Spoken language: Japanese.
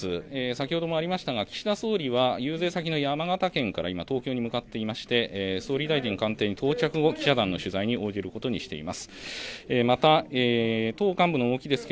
先ほどもありましたが岸田総理は遊説先の山形県から今、東京に向かっていまして総理大臣官邸に到着後、記者団の取材に応じることにしています。